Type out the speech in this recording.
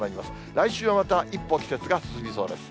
来週はまた一歩季節が進みそうです。